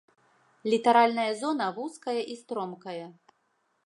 Літаральная зона вузкая і стромкая.